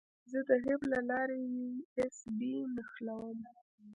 زه د هب له لارې یو ایس بي نښلوم.